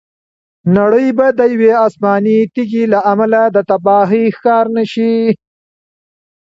نړۍ به د یوې آسماني تیږې له امله د تباهۍ ښکار نه شي.